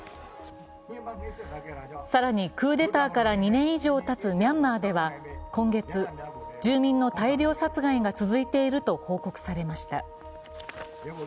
更に、クーデターから２年以上たつミャンマーでは今月、住民の大量殺害が続いていると報告されました。